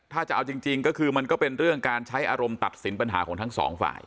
ถ้าจะเอาจริงก็คือมันก็เป็นเรื่องการใช้อารมณ์ตัดสินปัญหาของทั้งสองฝ่าย